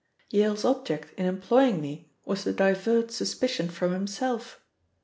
"Yale's object in employing me was to divert suspicion from himself.